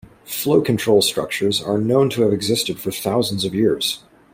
Flow-control structures are known to have existed for thousands of years.